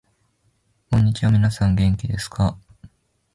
こんにちは、みなさん元気ですか？